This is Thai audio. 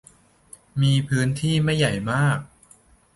มีพื้นที่ไม่ใหญ่มาก